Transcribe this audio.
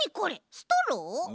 ストロー？